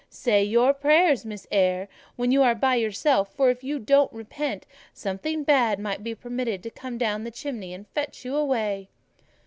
Say your prayers, Miss Eyre, when you are by yourself; for if you don't repent, something bad might be permitted to come down the chimney and fetch you away."